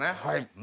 はい。